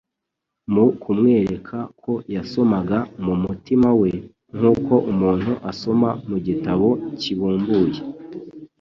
Mu kumwereka ko yasomaga mu mutima we nk'uko umuntu asoma mu gitabo kibumbuye,